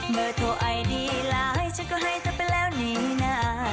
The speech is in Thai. เบอร์โทรไอดีไลน์ฉันก็ให้เธอไปแล้วนี่นะ